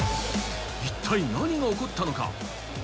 一体何が起こったのか？